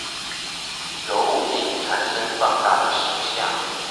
由物鏡產生放大的實像